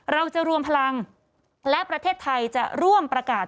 เราจะรวมพลังและประเทศไทยจะร่วมประกาศ